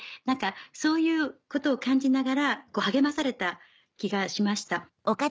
何かそういうことを感じながら励まされた気がしました。